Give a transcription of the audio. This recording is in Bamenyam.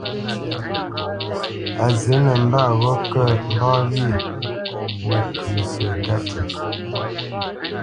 A zǐ nəmbât ghó kə mbá wyê nə́kət sə̂ ka tî.